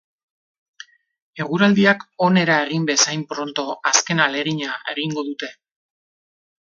Eguraldiak onera egin bezain pronto, azken ahalegina egingo dute.